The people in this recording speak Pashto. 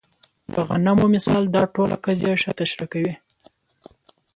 د غنمو مثال دا ټوله قضیه ښه تشریح کوي.